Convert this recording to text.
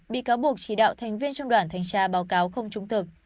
bị cáo buộc chỉ đạo thành viên trong đoàn thanh tra báo cáo không trung thực